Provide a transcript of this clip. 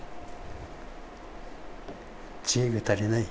知恵が足りない。